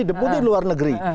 deputi di luar negeri